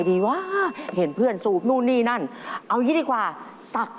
ถูกครับ